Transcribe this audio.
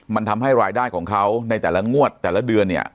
มันทำให้รายได้ของเขาในแต่ละงวดแต่ละเดือนเนี่ย